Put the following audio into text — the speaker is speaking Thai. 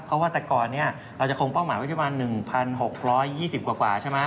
เพราะว่าแต่ก่อนนี้เราจะคงเป้าหมายไว้ที่ประมาณ๑๖๒๐กว่าใช่ไหม